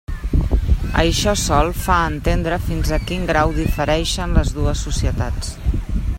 Això sol fa entendre fins a quin grau difereixen les dues societats.